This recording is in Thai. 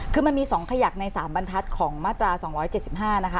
คือมันมีสองขยะในสามบันทัศน์ของมาตราสองร้อยเจ็ดสิบห้านะคะ